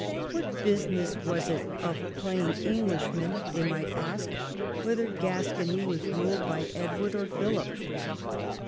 What business was it of plain Englishmen, they might ask, whether Gascony Avas ruled by Edward or Philip